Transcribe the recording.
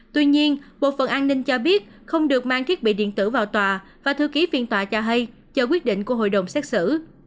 tuy nhiên bộ phận an ninh cho biết không được mang thiết bị điện tử vào tòa và thư ký phiên tòa cho hay chờ quyết định của hội đồng xét xử